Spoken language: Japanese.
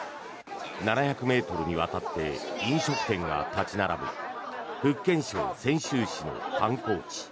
７００ｍにわたって飲食店が立ち並ぶ福建省泉州市の観光地。